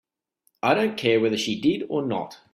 I don't care whether she did or not.